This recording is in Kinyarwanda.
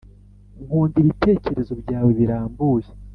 nkunda ibitekerezo byawe birambuye